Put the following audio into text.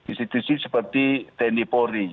institusi seperti tendipori